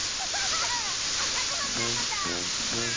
さああさごはんなのだ！